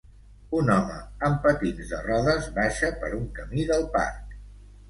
Un home amb patins de rodes baixa per un camí del parc.